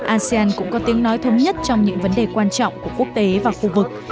asean cũng có tiếng nói thống nhất trong những vấn đề quan trọng của quốc tế và khu vực